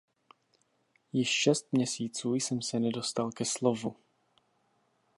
Již šest měsíců jsem se nedostal ke slovu.